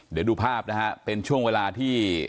เดี๋ยวดูภาพนะฮะเป็นช่วงเวลาที่